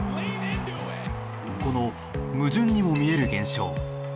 この矛盾にも見える現象。